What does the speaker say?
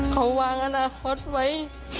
เขาวางอนาคตไว้